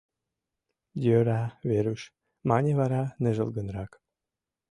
— Йӧра, Веруш, — мане вара ныжылгынрак.